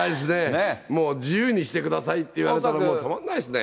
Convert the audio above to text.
もう自由にしてくださいって言われたらもう、たまらないですね。